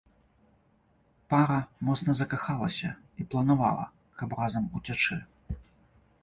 Пара моцна закахалася і планавала, каб разам уцячы.